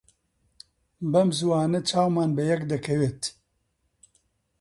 بەم زووانە چاومان بەیەک دەکەوێت.